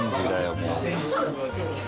もう。